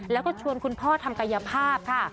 แล้วก็ชวนคุณพ่อทำกายภาพค่ะ